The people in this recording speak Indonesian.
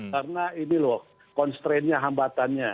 karena ini loh constraint nya hambatannya